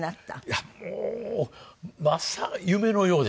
いやもうまさか夢のようです。